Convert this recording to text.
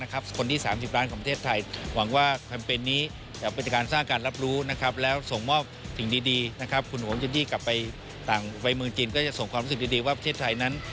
กิจกรรมทุกคน